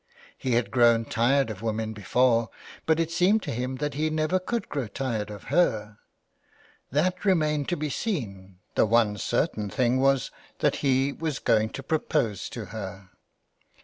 He had grown tired of women before, but it seemed to him that he never could grow tired of her. That 315 THE WILD GOOSK. remained to be seen, the one certain thing was that he was going to propose to her.